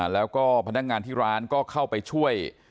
แล้วก็พนักงานที่ร้านก็เข้าไปช่วย